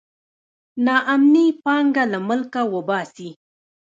نا امني پانګه له ملکه وباسي.